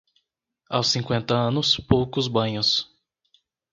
Aos cinquenta anos, poucos banhos.